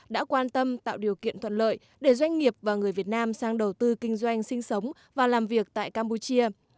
đã quan tâm tạo điều kiện thuận lợi để doanh nghiệp và người việt nam sang đầu tư kinh doanh sinh sống và làm việc tại campuchia